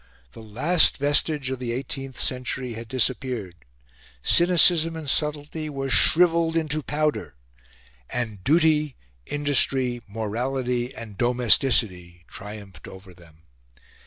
The last vestige of the eighteenth century had disappeared; cynicism and subtlety were shrivelled into powder; and duty, industry, morality, and domesticity triumphed over them.